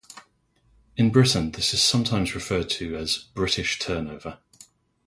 In Britain this is sometimes referred to as "British turnover".